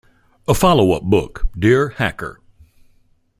A follow-up book, Dear Hacker.